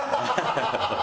ハハハハ！